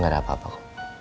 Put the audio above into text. gak ada apa apa kok